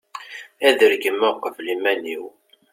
ad regmeɣ uqbel iman-iw